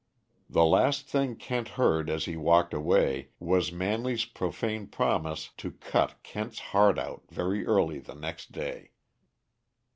The last thing Kent heard as he walked away was Manley's profane promise to cut Kent's heart out very early the next day.